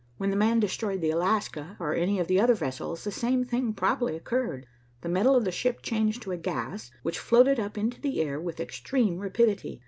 When the man destroyed the Alaska or any of the other vessels, the same thing probably occurred the metal of the ship changed to a gas which floated up into the air with extreme rapidity.